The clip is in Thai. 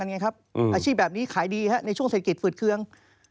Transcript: อาชีพแบบนี้ขายดีในช่วงเศรษฐกิจฝืดเคือง